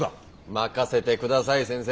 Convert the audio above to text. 任せてください先生。